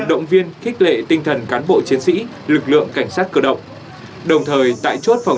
động viên khích lệ tinh thần cán bộ chiến sĩ lực lượng cảnh sát cơ động đồng thời tại chốt phòng